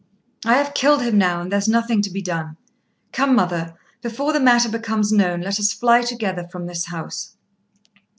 "I have killed him now, and there's nothing to be done. Come, mother, before the matter becomes known, let us fly together from this house."